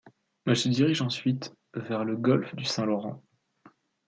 Elles se dirigent ensuite vers le Golfe du Saint-Laurent.